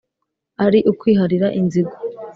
Ari ukwiharira inzigo